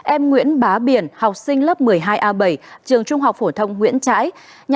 em nguyễn bá biển học sinh lớp một mươi hai a bảy trường trung học phổ thông nguyễn trãi